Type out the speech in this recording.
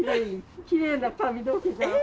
きれいな髪の毛じゃん。